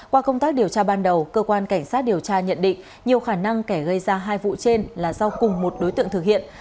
qua công tác điều tra ban đầu cơ quan cảnh sát điều tra nhận định nhiều khả năng kẻ gây ra hai vụ trên là do cùng một đối tượng thực hiện